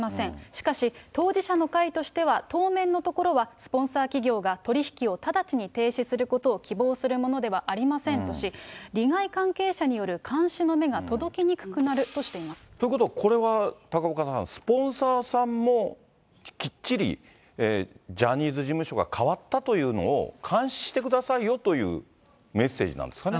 しかし、当事者の会としては当面のところは、スポンサー企業が取り引きを直ちに停止することを希望するものではありませんとし、利害関係者による監視の目が届きにくくなるとということは、これは高岡さん、スポンサーさんもきっちりジャニーズ事務所が変わったというのを監視してくださいよというメッセージなんですかね。